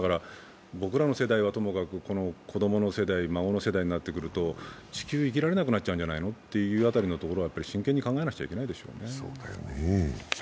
僕らの世代はともかく子供の世代、孫の世代になってくると地球、生きられなくなっちゃうんじゃないのということを真剣に考えなくちゃいけないでしょうね。